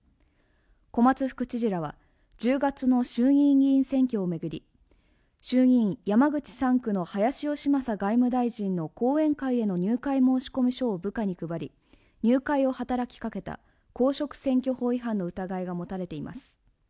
小松副知事らは１０月の衆議院議員選挙をめぐり衆議院山口３区の林芳正外務大臣の後援会への入会申込書を部下に配り、入会を働きかけた公職選挙法違反の疑いが持たれています。